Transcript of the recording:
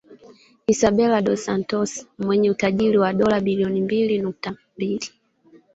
Isabel dos Santos mwenye utajiri wa dola bilioni mbili nukta mbili